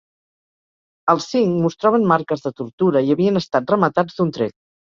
Els cinc mostraven marques de tortura i havien estat rematats d'un tret.